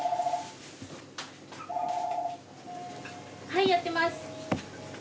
はいやってます。